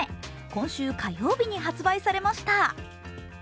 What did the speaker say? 今週火曜日に発売されました。